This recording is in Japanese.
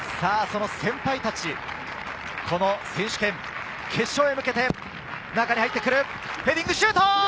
先輩たち、この選手権決勝へ向けて、中に入ってくる、ヘディングシュート！